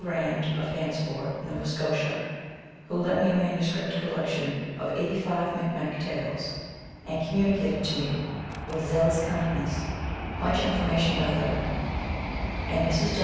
RAND, of Hantsport, Nova Scotia, who lent me a manuscript collection of eighty five Micmac tales, and communicated to me, with zealous kindness, much information by letter; and MRS.